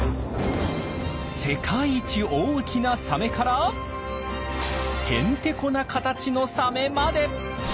世界一大きなサメから変テコな形のサメまで。